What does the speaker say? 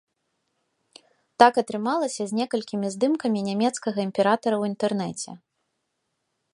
Так атрымалася з некалькімі здымкамі нямецкага імператара ў інтэрнэце.